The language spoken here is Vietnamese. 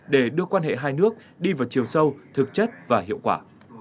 để đưa quan hệ hai nước đi vào chiều sâu thực chất và hiệu quả